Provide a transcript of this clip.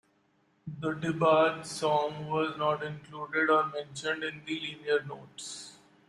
The DeBarge song was not included or mentioned in the liner notes.